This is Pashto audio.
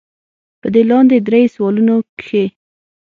پۀ دې لاندې درې سوالونو کښې